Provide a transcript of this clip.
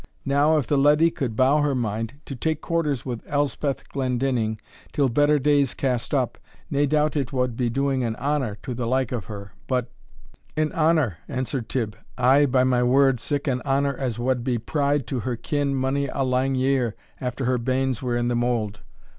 Now, if the leddy could bow her mind to take quarters with Elspeth Glendinning till better days cast up, nae doubt it wad be doing an honour to the like of her, but " "An honour," answered Tibb, "ay, by my word, sic an honour as wad be pride to her kin mony a lang year after her banes were in the mould.